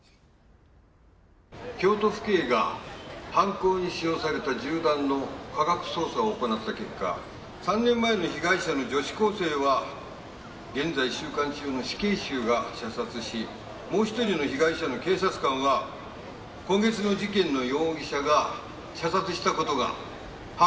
「京都府警が犯行に使用された銃弾の科学捜査を行った結果３年前の被害者の女子高生は現在収監中の死刑囚が射殺しもう１人の被害者の警察官は今月の事件の容疑者が射殺した事が判明しました」